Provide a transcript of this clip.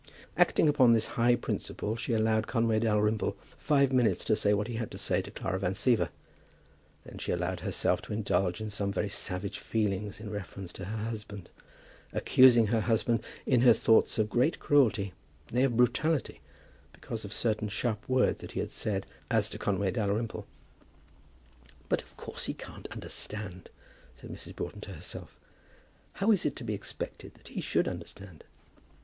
Acting upon this high principle, she allowed Conway Dalrymple five minutes to say what he had to say to Clara Van Siever. Then she allowed herself to indulge in some very savage feelings in reference to her husband, accusing her husband in her thoughts of great cruelty, nay, of brutality, because of certain sharp words that he had said as to Conway Dalrymple. "But of course he can't understand," said Mrs. Broughton to herself. "How is it to be expected that he should understand?"